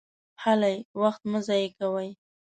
هلئ! وخت مه ضایع کوئ!